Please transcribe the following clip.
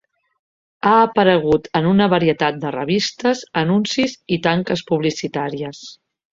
Ha aparegut en una varietat de revistes, anuncis i tanques publicitàries.